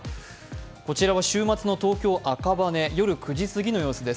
こちらは週末の東京・赤羽、夜９時過ぎの様子です。